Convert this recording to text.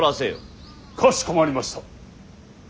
かしこまりました。